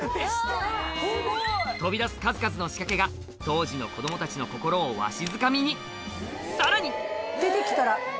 飛び出す数々の仕掛けが当時の子供たちの心をわしづかみにさらに！